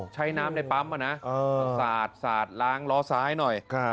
ใช้น้ำในปั๊มมาสาดล้างล้อซ้ายหน่อย